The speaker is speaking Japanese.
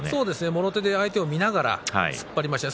もろ手で相手を見ながら突っ張りましたね。